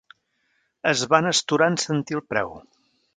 Es van astorar en sentir el preu.